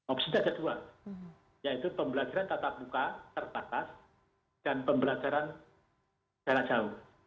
opsi tajadua yaitu pembelajaran tatap muka tertatas dan pembelajaran jarak jauh